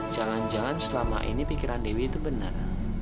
jangan jangan selama ini pikiran dewi itu benar